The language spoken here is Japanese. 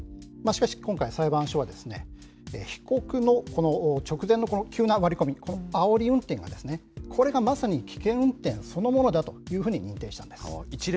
しかし今回、裁判所は被告のこの直前の急な割り込み、あおり運転が、これがまさに危険運転そのものだというふうに認定したんです。